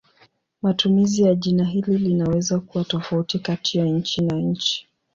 Matumizi ya jina hili linaweza kuwa tofauti kati ya nchi na nchi.